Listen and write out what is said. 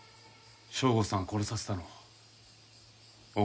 省吾さん殺させたのお前なんか？